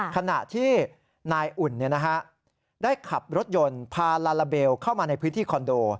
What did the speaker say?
ขณะที่นายอุ่นได้ขับรถยนต์พาลาลาเบลเข้ามาในพื้นที่คอนโด